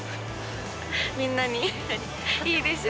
みんなに、いいでしょ？